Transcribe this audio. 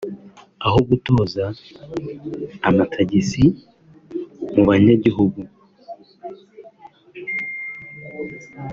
aho gutoza amatagisi mu banyagihugu